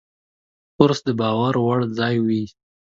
کورس د باور وړ ځای وي.